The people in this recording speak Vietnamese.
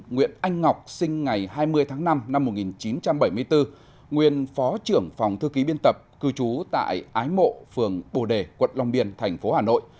nguyễn anh ngọc sinh ngày hai mươi tháng năm năm một nghìn chín trăm bảy mươi bốn nguyên phó trưởng phòng thư ký biên tập cư trú tại ái mộ phường bồ đề quận long biên thành phố hà nội